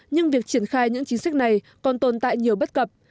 nhưng việc triển khai những chính sách này còn tồn tại nhiều bất cập